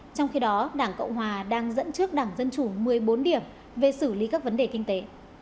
trong khi đó đảng cộng hòa đang dẫn trước đảng dân chủ một mươi bốn điểm về xử lý các vấn đề kinh tế